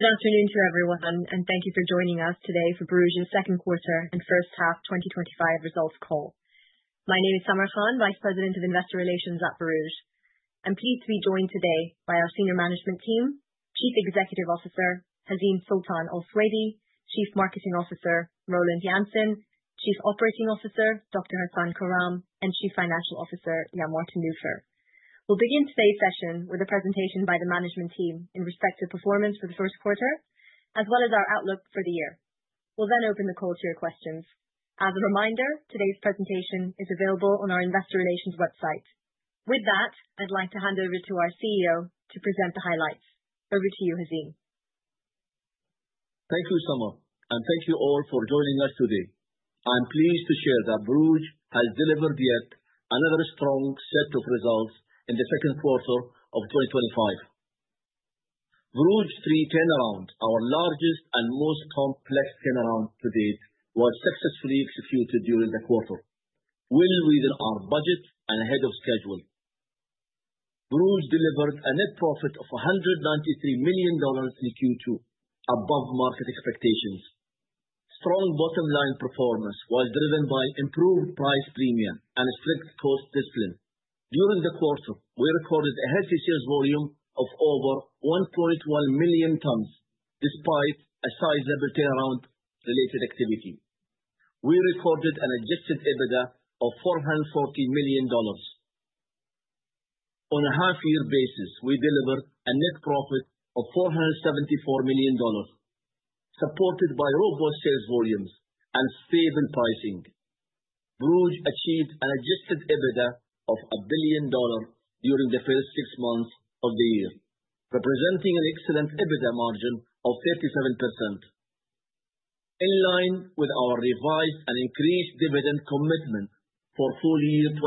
Good afternoon to everyone and thank you for joining us today for Borouge's second quarter and first half 2025 results call. My name is Samar Khan, Vice President of Investor Relations at Borouge. I'm pleased to be joined today by our senior management team, Chief Executive Officer Hazeem Sultan Al Suwaidi, Chief Marketing Officer Roland Janssen, Chief Operating Officer Dr. Hasan Karam and Chief Financial Officer Jan-Martin Nufer. We'll begin today's session with a presentation by the management team in respect to performance for the first quarter and as well as our outlook for the year. We'll then open the call to your questions. As a reminder, today's presentation is available on our investor relations website. With that I'd like to hand over to our CEO to present the highlights. Over to you Hazeem. Thank you Samar and thank you all for joining us today. I'm pleased to share that Borouge has delivered yet another strong set of results in the second quarter of 2025. Borouge 3 turnaround, our largest and most complex turnaround to date, was successfully executed during the quarter, well within our budget and ahead of schedule. Borouge delivered a net profit of $193 million in Q2, above market expectations. Strong bottom line performance was driven by improved price premium and strict cost discipline. During the quarter we recorded a healthy sales volume of over 1.1 million tonnes. Despite a sizeable turnaround related activity, we recorded an adjusted EBITDA of $440 million. On a half year basis, we delivered a net profit of $474 million supported by robust sales volumes and stable pricing. Borouge achieved an adjusted EBITDA of $1 billion during the first six months of the year, representing an excellent EBITDA margin of 37%. In line with our revised and increased dividend commitment for full year 2025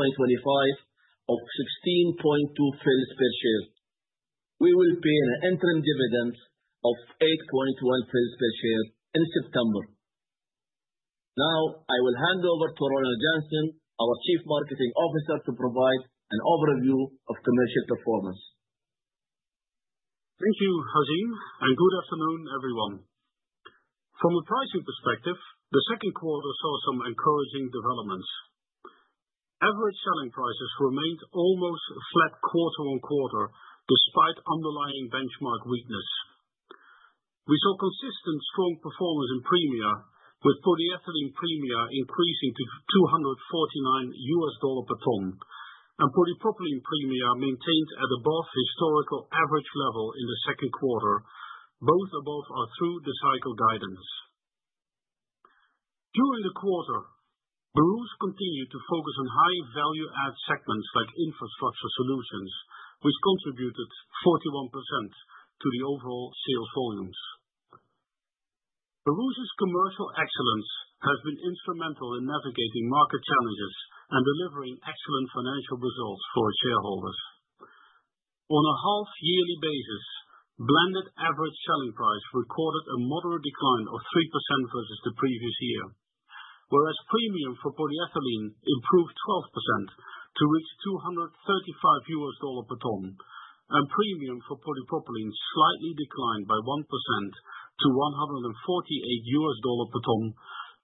of 0.162 per share, we will pay an interim dividend of 0.081 per share in September. Now I will hand over to Roland Janssen, our Chief Marketing Officer, to provide an overview of commercial performance. Thank you Hazeem and good afternoon everyone. From a pricing perspective, the second quarter saw some encouraging developments. Average selling prices remained almost flat quarter on quarter despite underlying benchmark weakness. We saw consistent strong performance in premia with polyethylene premia increasing to $249 per tonne and polypropylene premia maintained at above historical average level in the second quarter, both above our true cycle guidance. During the quarter, Borouge continued to focus on high value add segments like infrastructure solutions which contributed 41% to the overall sales volumes. Borouge's commercial excellence has been instrumental in navigating market challenges and delivering excellent financial results for its shareholders. On a half yearly basis, blended average selling price recorded a moderate decline of 3% versus the previous year, whereas premium for polyethylene improved 12% to reach $235 per tonne and premium for polypropylene slightly declined by 1% to $148 per tonne,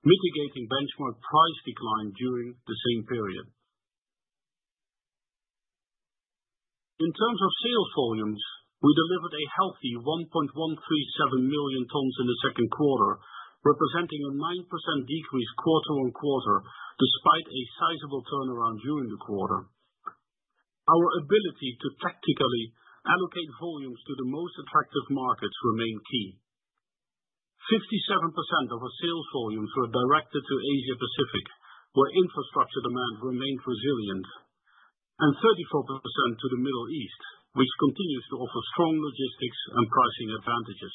mitigating benchmark price decline during the same period. In terms of sales volumes, we delivered a healthy 1.137 million tonnes in the second quarter, representing a 9% decrease quarter on quarter. Despite a sizable turnaround during the quarter, our ability to tactically allocate volumes to the most attractive markets remain key. 57% of our sales volumes were directed to Asia Pacific where infrastructure demand remained resilient and 34% to the Middle East which continues to offer strong logistics and pricing advantages.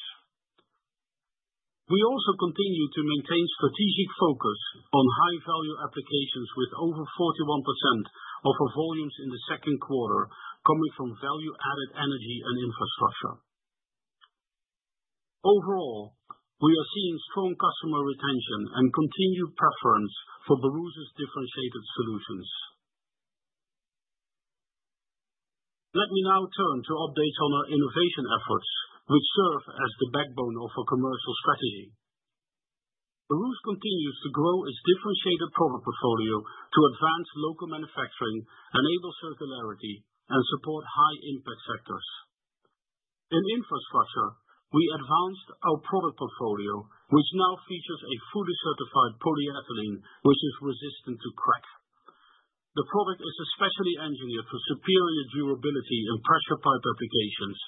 We also continue to maintain strategic focus on high value applications with over 41% of our volumes in the second quarter coming from value-added energy and infrastructure. Overall, we are seeing strong customer retention and continued preference for Borouge's differentiated solutions. Let me now turn to updates on our innovation efforts which serve as the backbone of our commercial strategy. Borouge continues to grow its differentiated product portfolio to advance local manufacturing, enable circularity and support high impact sectors in infrastructure. We advanced our product portfolio which now features a fully certified polyethylene which is resistant to crack. The product is especially engineered for superior durability in pressure pipe applications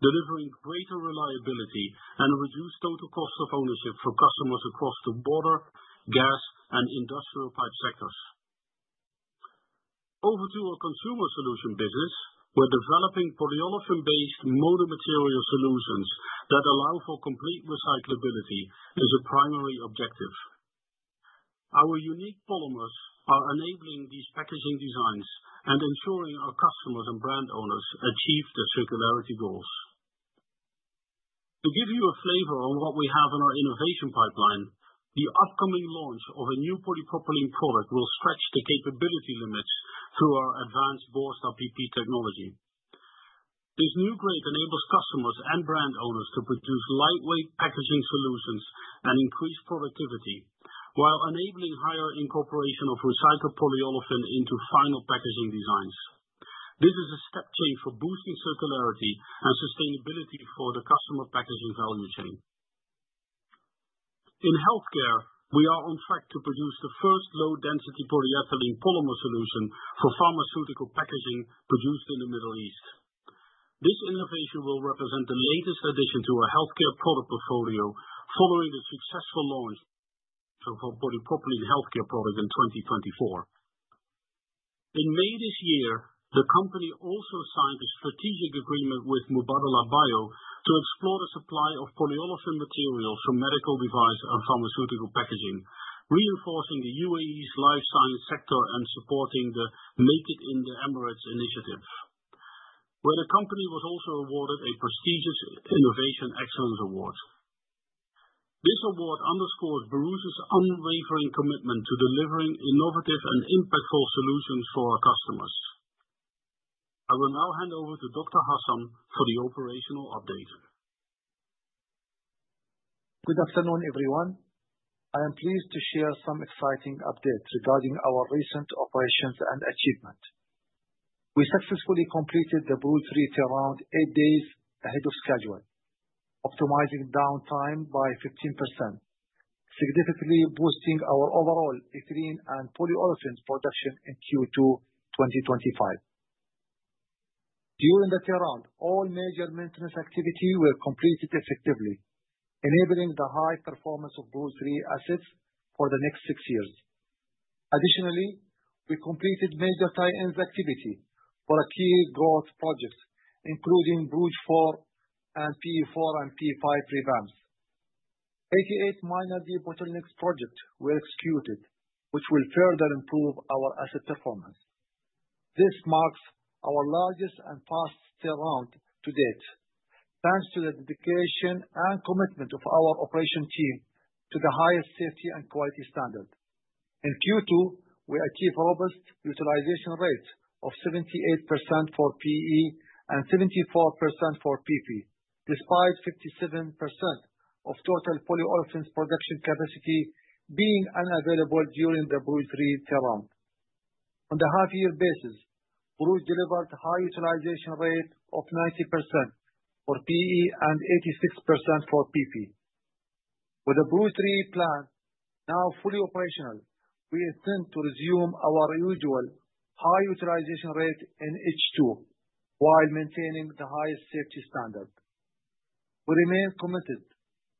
delivering greater reliability and reduced total cost of ownership for customers across the water, gas and industrial pipe sectors. Over to our consumer solution business, we're developing polyolefin-based motor material solutions that allow for complete recyclability as a primary objective. Our unique polymers are enabling these packaging designs and ensuring our customers and brand owners achieve their circularity goals. To give you a flavor on what we have in our innovation pipeline, the upcoming launch of a new polypropylene product will stretch the capability limits through our advanced Borstar PP technology. This new grade enables customers and brand owners to produce lightweight packaging solutions that increase productivity while enabling higher incorporation of recycled polyolefin into final packaging designs. This is a step change for boosting circularity and sustainability for the customer packaging value chain in healthcare. We are on track to produce the first low-density polyethylene polymer solution for pharmaceutical packaging produced in the Middle East. This innovation will represent the latest addition to our healthcare product portfolio following the successful launch of our polypropylene healthcare product in 2024. In May this year, the company also signed a strategic agreement with Mubadala Bio to explore the supply of polyolefin materials for medical device pharmaceutical packaging, reinforcing the UAE's life science sector and supporting the Make It in the Emirates initiative where the company was also awarded a prestigious Innovation Excellence award. This award underscores Borouge's unwavering commitment to delivering innovative and impactful solutions for our customers. I will now hand over to Dr. Hasan Karam for the operational update. Good afternoon everyone. I am pleased to share some exciting updates regarding our recent operations and achievement. We successfully completed the Borouge 3 turnaround eight days ahead of schedule, optimizing downtime by 15%, significantly boosting our overall ethylene and polyolefins production in Q2 2025. During the turnaround, all major maintenance activities were completed, effectively enabling the high performance of Borouge 3 assets for the next six years. Additionally, we completed major tie-in activities for a key growth project including Borouge 4 and P4 and P5 revamps. 88 minor debottlenecking projects were executed which will further improve our asset performance. This marks our largest and fastest turnaround to date thanks to the dedication and commitment of our operations team to the highest safety and quality standards. In Q2 we achieved robust utilization rates of 78% for PE and 74% for PP despite 57% of total polyolefins production capacity being unavailable during the Borouge 3 turnaround on the half-year basis. Borouge delivered high utilization rates of 90% for PE and 86% for PP. With the Borouge 3 plant now fully operational, we intend to resume our usual high utilization rates in H2 while maintaining the highest safety standards. We remain committed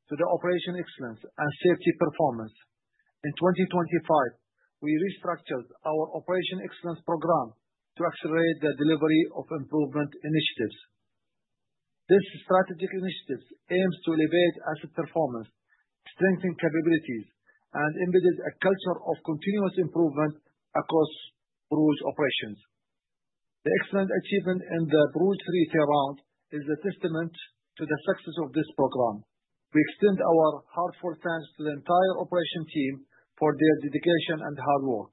to Operational Excellence and safety performance. In 2025 we restructured our Operational Excellence program to accelerate the delivery of improvement initiatives. This strategic initiative aims to elevate asset performance, strengthen capabilities, and embed a culture of continuous improvement across Borouge operations. The excellent achievement in the Borouge 3 turnaround is a testament to the success of this program. We extend our heartfelt thanks to the entire operations team for their dedication and hard work.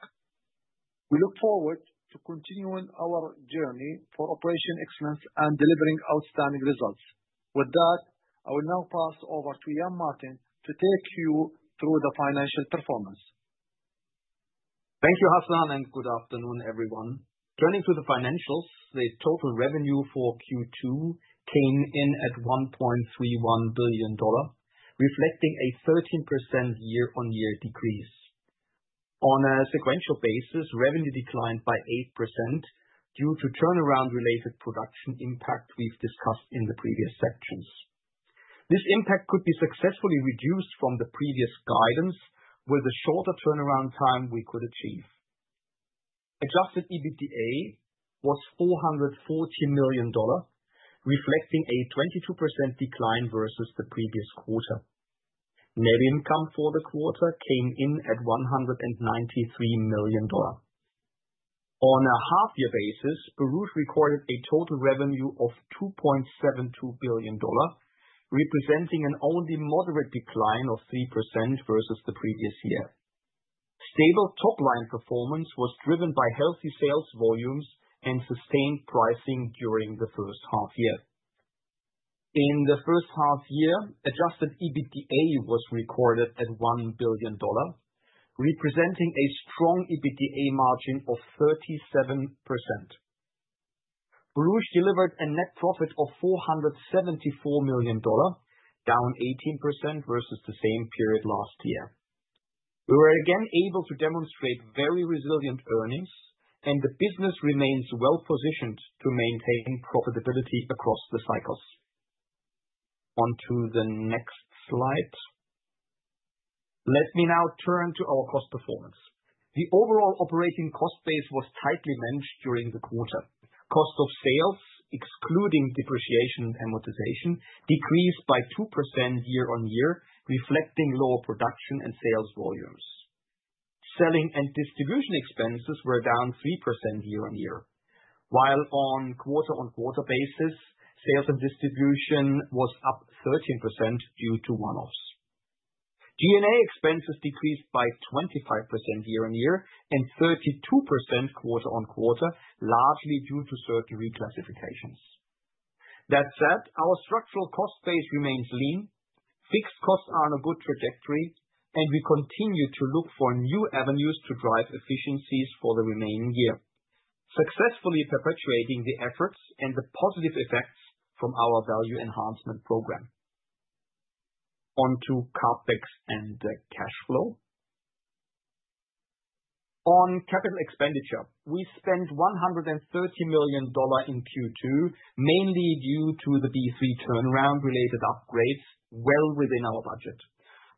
We look forward to continuing our journey for Operational Excellence and delivering outstanding results. With that, I will now pass over to Jan-Martin to take you through the financial performance. Thank you Hasan and good afternoon everyone. Turning to the financials, the total revenue for Q2 came in at $1.31 billion reflecting a 13% year-on-year decrease. On a sequential basis, revenue declined by 8% due to turnaround related production impact we've discussed in the previous sections. This impact could be successfully reduced from the previous guidance with the shorter turnaround time we could achieve. Adjusted EBITDA was $440 million reflecting a 22% decline versus the previous quarter. Net income for the quarter came in at $193 million. On a half year basis, Borouge recorded a total revenue of $2.72 billion representing an only moderate decline of 3% versus the previous year. Stable top line performance was driven by healthy sales volumes and sustained pricing during the first half year. In the first half year, adjusted EBITDA was recorded at $1 billion representing a strong EBITDA margin of 37%. Borouge delivered a net profit of $474 million, down 18% versus the same period last year. We were again able to demonstrate very resilient earnings and the business remains well positioned to maintain profitability across the cycles. On to the next slide. Let me now turn to our cost performance. The overall operating cost base was tightly managed during the quarter. Cost of sales excluding depreciation and amortization decreased by 2% year-on-year, reflecting lower production and sales volumes. Selling and distribution expenses were down 3% year-on-year, while on a quarter-on-quarter basis, sales and distribution was up 13% due to one-offs. G&A expenses decreased by 25% year-on-year and 32% quarter on quarter largely due to certain reclassifications. That said, our structural cost base remains lean. Fixed costs are on a good trajectory and we continue to look for new avenues to drive efficiencies for the remaining year, successfully perpetuating the efforts and the positive effect from our value enhancement program onto CapEx and cash flow on capital expenditure. We spent $130 million in Q2 mainly due to the Borouge 3 turnaround related upgrades well within our budget.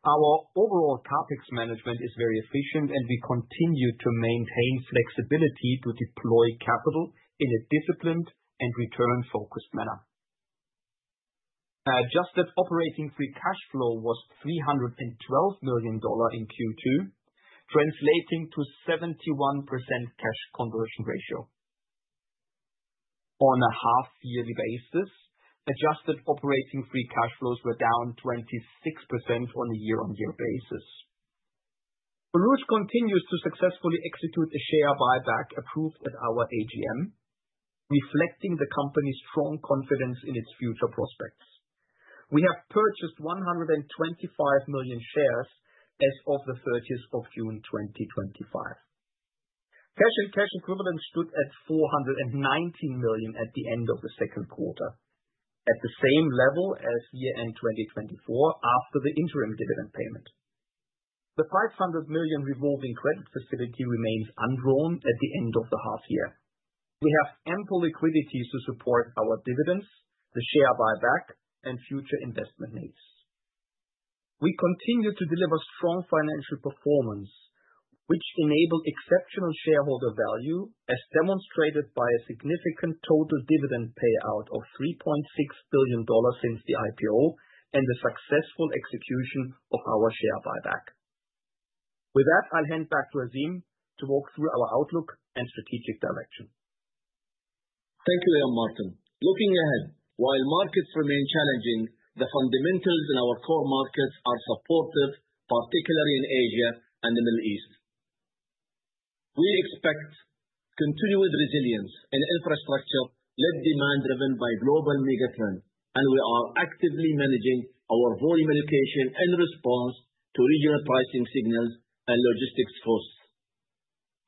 Our overall CapEx management is very efficient and we continue to maintain flexibility to deploy capital in a disciplined and return focused manner. Adjusted operating free cash flow was $312 million in Q2 translating to 71% cash conversion ratio on a half yearly basis. Adjusted operating free cash flows were down 26% on a year-on-year basis. Borouge continues to successfully execute a share buyback approved at our AGM reflecting the company's strong confidence in its future prospects. We have purchased 125 million shares as of 30th June 2025. Cash and cash equivalents stood at $419 million at the end of the second quarter at the same level as year-end 2024. After the interim dividend payment, the $500 million revolving credit facility remains undrawn at the end of the half year. We have ample liquidity to support our dividends, the share buyback and future investment needs. We continue to deliver strong financial performance which enable exceptional shareholder value as demonstrated by a significant total dividend payout of $3.6 billion since the IPO and the successful execution of our share buyback. With that, I'll hand back to Hazeem to walk through our outlook and strategic direction. Thank you, Jan-Martin. Looking ahead, while markets remain challenging, the fundamentals in our core markets are supportive, particularly in Asia and the Middle East. We expect continued resilience in infrastructure-led demand driven by global megatrend and we are actively managing our volume allocation in response to regional pricing signals and logistics costs.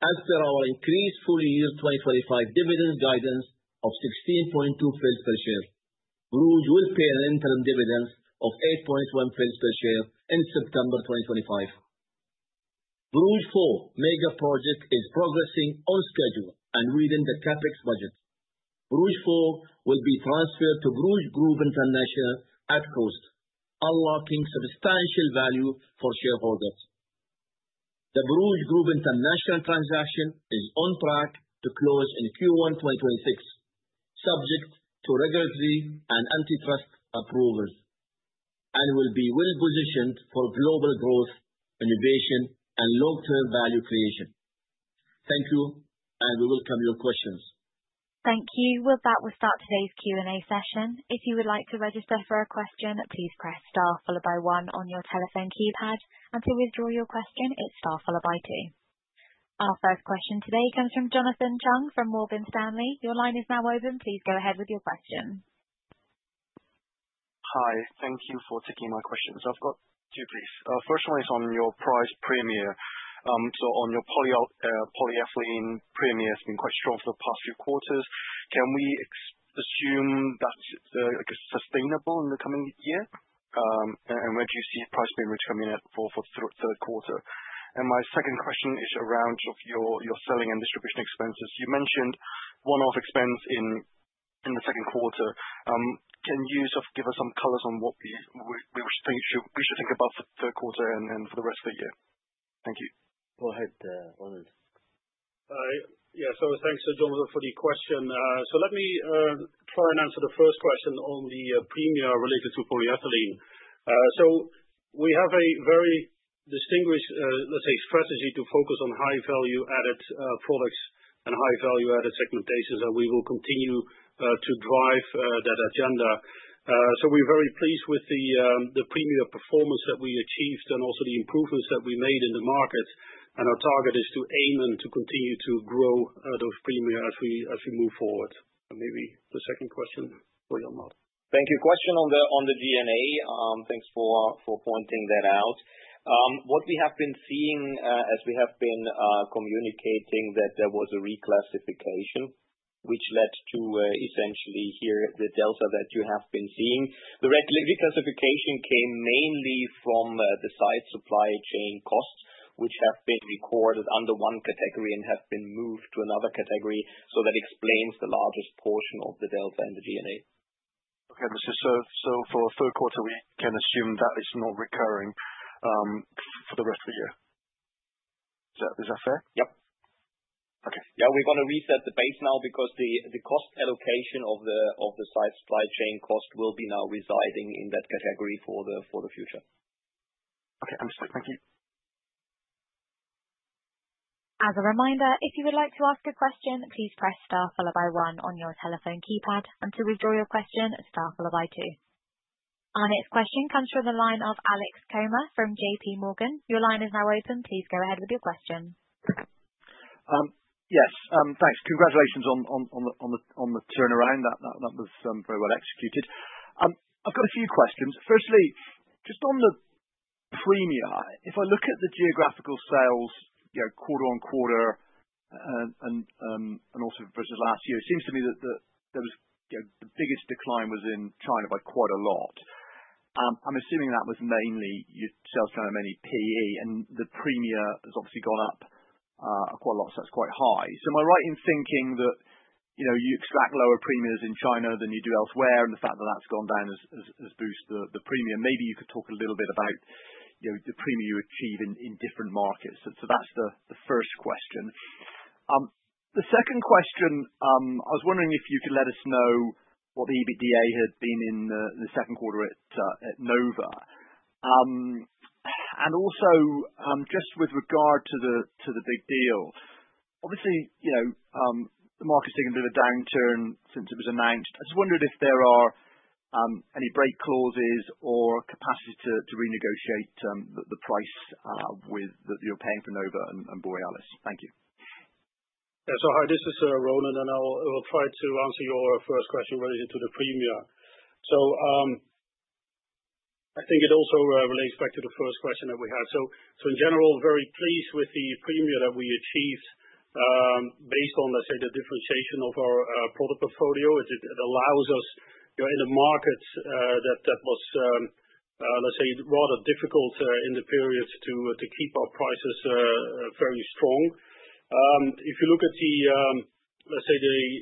As per our increased full year 2025 dividend guidance of 0.162 per share, Borouge will pay an interim dividend of 0.081 per share in September 2025. Borouge 4 megaproject is progressing on schedule and within the CapEx budget. Borouge 4 will be transferred to Borouge Group International at cost, unlocking substantial value for shareholders. The Borouge Group International transaction is on track to close in Q1 2026, subject to regulatory and antitrust approvals and will be well positioned for global growth, innovation and long-term value creation. Thank you. We will come to your questions. Thank you. That will start today's Q&A session. If you would like to register for a question, please press star followed by one on your telephone keypad. To withdraw your question, it's star followed by two. Our first question today comes from Jonathan Chung from Morgan Stanley. Your line is now open. Please go ahead with your question. Hi, thank you for taking my questions. I've got two, please. First one is on your price premium. So on your polyethylene premium has been quite strong for the past few quarters. Can we expect or assume that is sustainable in the coming year? Where do you see price leverage coming at for third quarter? My second question is around your selling and distribution expenses. You mentioned one-off expense in the second quarter. Can you give us some color on what we should think about for the third quarter and for the rest of the year? Thank you. Go ahead, Roland. Yeah, so thanks Jonathan for the question. Let me try and answer the first question on the premia related to polyethylene. We have a very distinguished, let's say, strategy to focus on high value-added products and high value-added segmentations, and we will continue to drive that agenda. We're very pleased with the premia performance that we achieved and also the improvements that we made in the market. Our target is to aim and to continue to grow those premier as we move forward. Maybe the second question for Jan-Martin. Thank you. Question on the G&A. Thanks for pointing that out. What we have been seeing as we have been communicating that there was a reclassification which led to essentially here the delta that you have been seeing. The reclassification came mainly from the site supply chain costs which have been recorded under one category and have been moved to another category. That explains the largest portion of the delta and the G&A. Okay, for third quarter we can assume that is not recurring for the rest of the year. Is that fair? Yep. Okay. Yeah. We're going to reset the base now because the cost allocation of the site supply chain cost will be now residing in that category for the future. Okay, understood. Thank you. As a reminder, if you would like to ask a question, please press star followed by one on your telephone keypad, and to withdraw your question, star followed by two. Our next question comes from the line of Alex Comer from JPMorgan. Your line is now open. Please go ahead with your question. Yes, thanks. Congratulations on the turnaround. That was very well executed. I've got a few questions. Firstly, just on the premia, if I look at the geographical sales quarter on quarter and also versus last year, it seems to me that the biggest decline was in China by quite a lot. I'm assuming that was mainly your sales channel, mainly PE. And the premia has obviously gone up quite a lot. That's quite high. Am I right in thinking that you extract lower premiums in China than you do elsewhere and the fact that that's gone down has boosted the premium? Maybe you could talk a little bit about the premium you achieve in different markets. That's the first question. The second question, I was wondering if you could let us know what the EBITDA had been in the second quarter at NOVA. Also, just with regard to the big deal, obviously the market's taking a bit of a downturn since it was announced. I just wondered if there are any break clauses or capacity to renegotiate the price that you're paying for NOVA and Borealis. Thank you. Hi, this is Ronan and I will try to answer your first question related to the premium. I think it also relates back to the first question that we had. In general, very pleased with the premium that we achieved based on, let's say, the differentiation of our product portfolio. It allows us, in a market that was, let's say, rather difficult in the period to keep our prices fairly strong. If you look at the, let's say,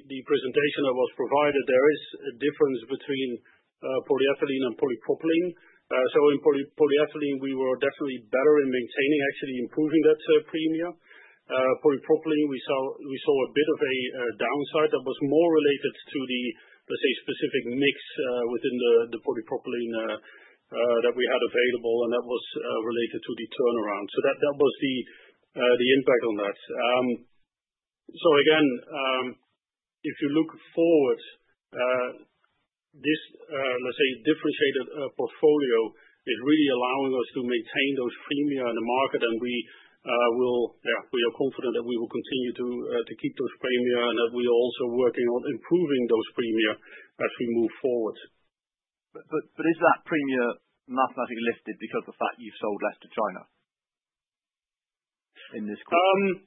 the presentation that was provided, there is a difference between polyethylene and polypropylene. In polyethylene, we were definitely better in maintaining, actually improving that premium. Polypropylene, we saw a bit of a downside that was more related to the specific mix within the polypropylene that we had available and that was related to the turnaround. That was the impact on that. Again, if you look forward, this, let's say, differentiated portfolio is really allowing us to maintain those premia in the market. We are confident that we will continue to keep those premia and that we are also working on improving those premia as we move forward. Is that premia mathematically lifted because the fact you've sold less to China in this quarter?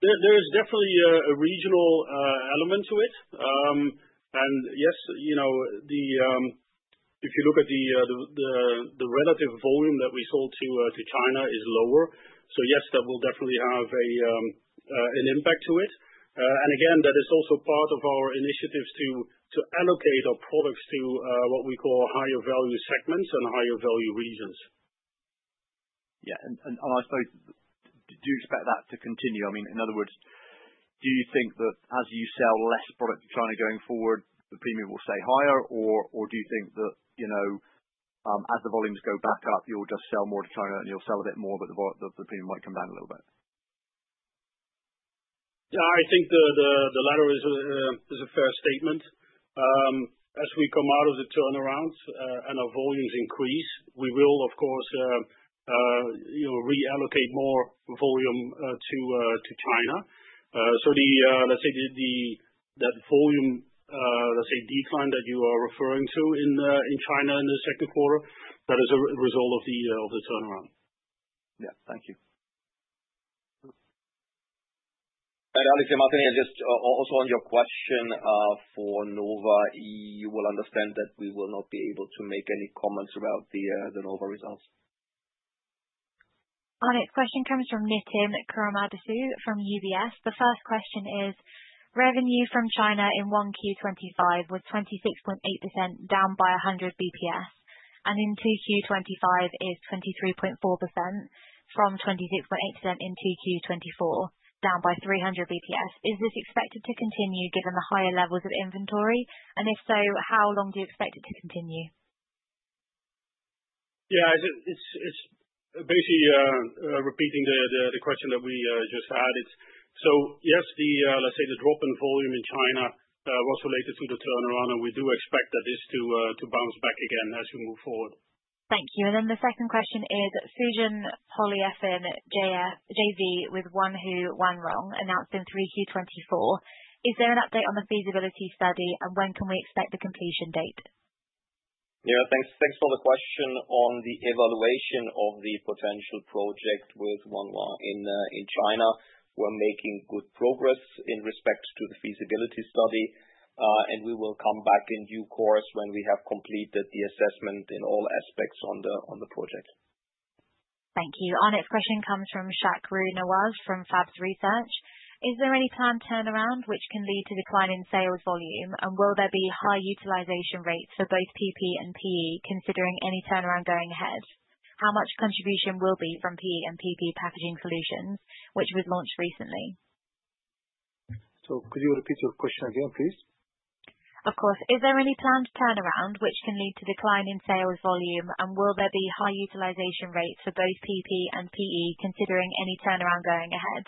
There is definitely a regional element to it. Yes, if you look at the relative volume that we sold to China is lower. Yes, that will definitely have an impact to it. Again, that is also part of our initiatives to allocate our products to what we call higher value segments and higher value regions. Yeah, I suppose. Do you expect that to continue? I mean, in other words, do you think that as you sell less product to China going forward, the premium will stay higher? Or do you think that as the volumes go back up, you'll just sell more to China and you'll sell a bit more, but the premium might come down a little bit? Yeah, I think the latter is a fair statement. As we come out of the turnaround and our volumes increase, we will of course reallocate more volume to China. Let's say that volume, let's say decline, that you are referring to in China in the second quarter, that is a result of the turnaround. Yeah, thank you. Alex, Jan-Martin here, just also on your question for NOVA, you will understand that we will not be able to make any comments about the NOVA results. Our next question comes from Nitin Kurmadasu from UBS. The first question is revenue from China in 1Q 2025 was 26.8%, down by 100 basis points. In 2Q 2025, it is 23.4% from 26.8%. In 2Q 2024, down by 300 basis points. Is this expected to continue given the higher levels of inventory and if so, how long do you expect it to continue? Yes, it's basically repeating the question that we just had. Yes, let's say the drop in volume in China was related to the turnaround and we do expect that this to bounce back again as we move forward. Thank you. And then the second question is Fujian Polyethylene JV with Wanhua Wanrong announced in 3Q 2024. Is there an update on the feasibility study and when can we expect the completion date? Thanks for the question on the evaluation of the potential project with Wanhua in China. We're making good progress in respect to the feasibility study and we will come back in due course when we have completed the assessment in all aspects on the project. Thank you. Our next question comes from Shahrukh Nawaz from FAB Research. Is there any planned turnaround which can lead to decline in sales volume, and will there be high utilization rates for both PP and PE? Any turnaround going ahead? How much contribution will be from PE and PP packaging solutions which was launched recently. Could you repeat your question again please? Of course. Is there any planned turnaround which can lead to decline in sales volume, and will there be high utilization rates for both PP and PE considering any turnaround going ahead?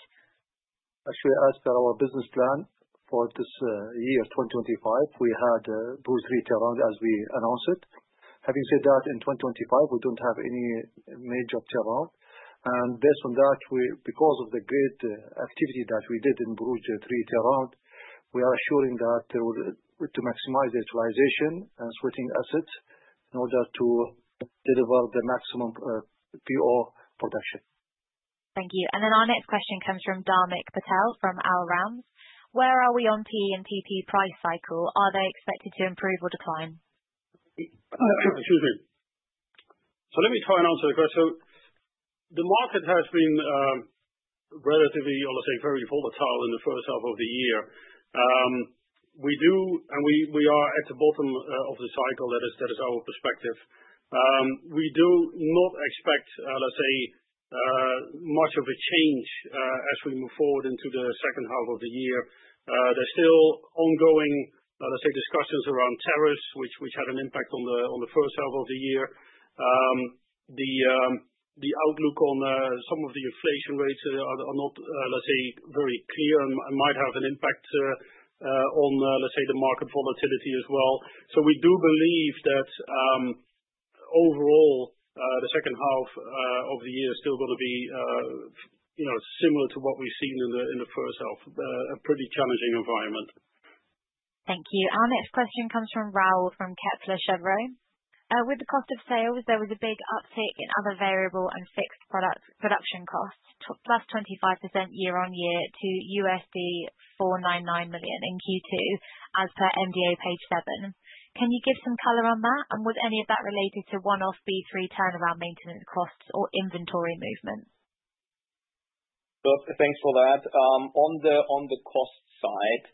Actually, as per our business plan for this year 2025, we had boost retail as we announced it. Having said that, in 2025 we don't have any major turnaround and based on that, because of the great activity that we did in Borouge 3 turnaround, we are assuring that to maximize the utilization and sweating assets in order to deliver the maximum PO production. Thank you. Our next question comes from Dharmik Patel from Al Ramz. Where are we on PE and PP price cycle? Are they expected to improve or decline? Excuse me. Let me try and answer the question. The market has been relatively volatile in the first half of the year. We do and we are at the bottom of the cycle. That is our perspective. We do not expect, let's say, much of a change as we move forward into the second half of the year. There are still ongoing, let us say, discussions around tariffs which had an impact on the first half of the year. The outlook on some of the inflation rates is not, let's say, very clear and might have an impact on, let's say, the market volatility as well. We do believe that overall the second half of the year is still going to be similar to what we've seen in the first half. A pretty challenging environment. Thank you. Our next question comes from Raoul from Kepler Chevreau. With the cost of sales, there was a big uptick in other variable and fixed product production costs plus 25% year-on-year to $499 million in Q2 as per MDA page 7. Can you give some color on that? Was any of that related to one off B3 turnaround, maintenance cost or inventory movement? Thanks for that. On the cost side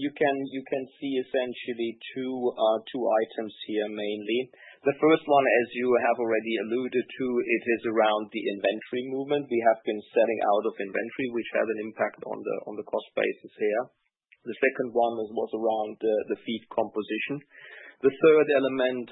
you can see essentially two items here. Mainly the first one, as you have already alluded to it, is around the inventory movement. We have been selling out of inventory which has an impact on the cost basis here. The second one was around the feed composition. The third element,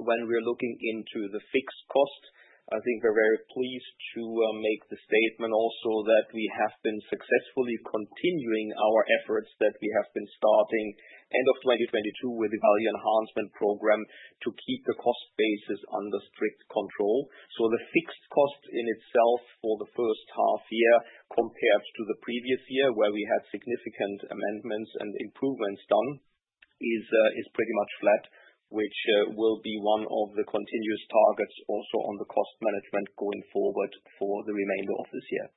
when we are looking into the fixed cost, I think we're very pleased to make the statement also that we have been successfully continuing our efforts that we have been starting end of 2022 with the value enhancement program to keep the cost basis under strict control. The fixed cost in itself for the first half year compared to the previous year where we had significant amendments and improvements done is pretty much flat, which will be one of the continuous targets also on the cost management going forward for the remainder of this year.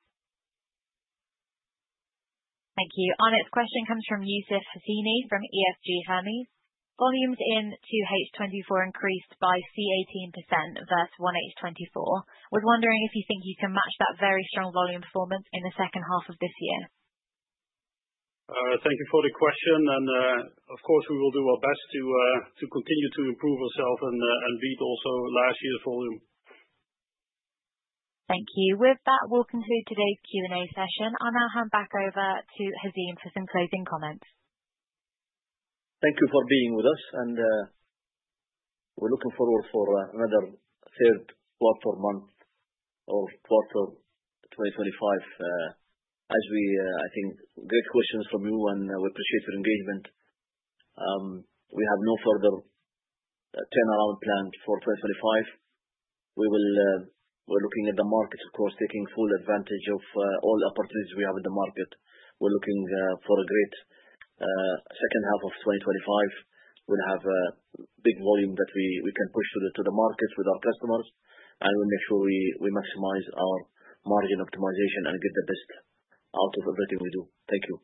Thank you. Our next question comes from Yousef Hossini from EFG Hermes. Volumes in 2H 2024 increased by approximately 18% versus 1H 2024. Was wondering if you think you can match that very strong volume performance in the second half of this year. Thank you for the question. Of course we will do our best to continue to improve ourselves and beat also last year's volume. Thank you. With that we'll conclude today's Q&A session. I'll now hand back over to Hazeem for some closing comments. Thank you for being with us and we're looking forward for another third quarter month. Our sponsor 2025 as we I think great questions from you and we appreciate your engagement. We have no further turnaround planned for 2025. We will. We're looking at the markets of course, taking full advantage of all the opportunities we have in the market. We're looking for a great second half of 2025. We'll have a big volume that we can push to the markets with our customers and we make sure we maximize our margin optimization and get the best out of everything we do. Thank you.